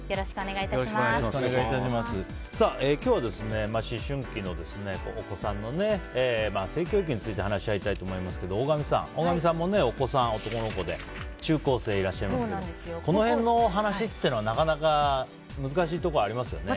今日は思春期のお子さんの性教育について話し合いたいと思いますが大神さんもお子さん、男の子で中高生、いらっしゃいますけどこの辺の話はなかなか難しいところがありますよね。